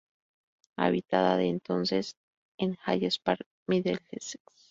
Habitada entonces en Hayes Park, Middlesex.